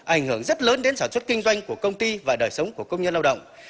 ảnh hưởng rất lớn đến sản xuất kinh doanh của công ty và đời sống của công nhân lao động